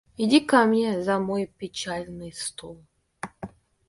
Иди ко мне за мой печальный стол.